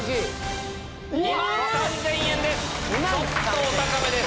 ちょっとお高めです。